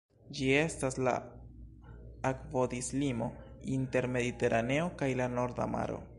Ĝi estas la akvodislimo inter Mediteraneo kaj la Norda Maro.